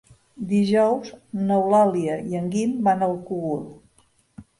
Dijous n'Eulàlia i en Guim van al Cogul.